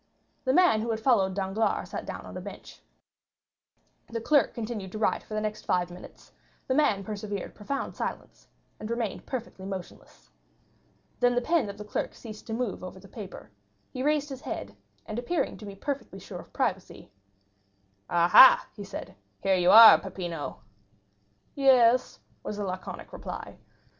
The man who had followed Danglars sat down on a bench. The clerk continued to write for the next five minutes; the man preserved profound silence, and remained perfectly motionless. Then the pen of the clerk ceased to move over the paper; he raised his head, and appearing to be perfectly sure of privacy: "Ah, ha," he said, "here you are, Peppino!" "Yes," was the laconic reply.